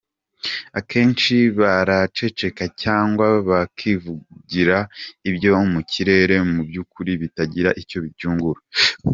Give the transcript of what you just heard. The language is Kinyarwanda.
Akenshi baraceceka cyangwa bakivugira ibyo mu kirere mu by’ukuri bitagira icyo byungura.